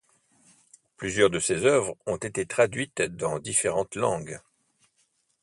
Plusieurs de ses œuvres ont été traduites dans différentes langues.